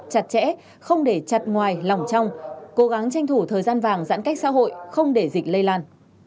chặt chẽ không để chặt ngoài lỏng trong cố gắng tranh thủ thời gian vàng giãn cách xã hội không để dịch lây lan